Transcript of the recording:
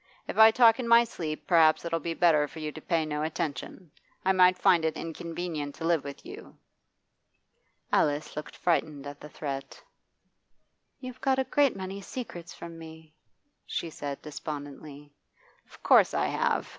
'If I talk in my sleep, perhaps it'll be better for you to pay no attention. I might find it inconvenient to live with you.' Alice looked frightened at the threat. 'You've got a great many secrets from me,' she said despondently. 'Of course I have.